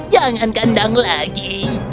jangan kandang lagi